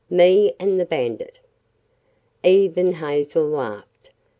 Me and the bandit!" Even Hazel laughed.